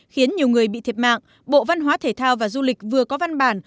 khiến nhiều người bị thiệt mạng bộ văn hóa thể thao và du lịch vừa có văn bản